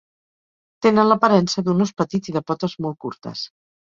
Tenen l'aparença d'un ós petit i de potes molt curtes.